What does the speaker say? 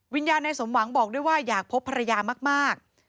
วิญญาณนายสมบังบอกด้วยว่าอยากพบภรรยามาก